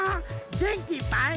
げんきいっぱい！